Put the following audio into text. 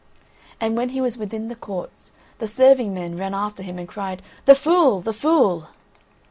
And when he was within the courts the serving men ran after him and cried: "The fool! the fool!"